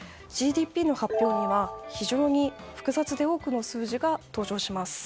ＧＤＰの発表には非常に複雑で多くの数字が登場します。